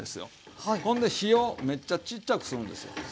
ほんで火をめっちゃちっちゃくするんですよ。